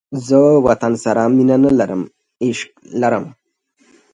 زه وطن سره مینه نه لرم، عشق لرم